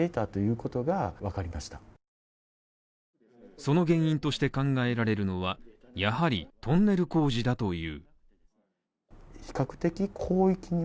その原因として考えられるのは、やはりトンネル工事だという。